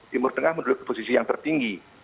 timur tengah menduduki posisi yang tertinggi